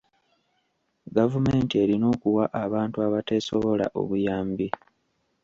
Gavumenti erina okuwa abantu abateesobola obuyambi.